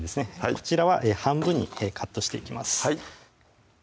こちらは半分にカットしていきます